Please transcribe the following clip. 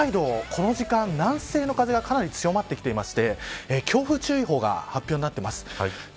この時間南西の風がかなり強まってきていまして強風注意報が発表になっています。